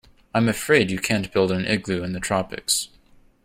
I'm afraid you can't build an igloo in the tropics.